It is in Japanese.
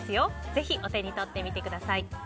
ぜひお手に取ってみてください。